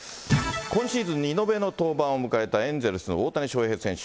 今シーズン２度目の登板を迎えたエンゼルスの大谷翔平選手。